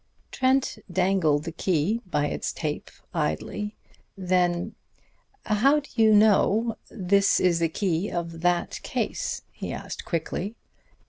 Trent dangled the key by its tape idly. Then "How do you know this is the key of that case?" he asked quickly.